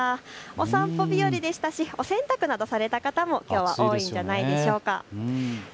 お散歩日和でしたし、お洗濯などされた方もきょうは多いんじゃないでしょうか。